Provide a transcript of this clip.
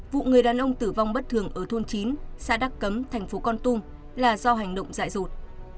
vụ người đàn ông tử vong bất thường ở thôn chín xã đắc cấm tp con tum là do hành động dại rột